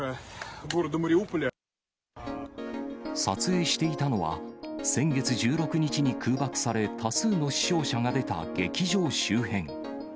撮影していたのは、先月１６日に空爆され、多数の死傷者が出た劇場周辺。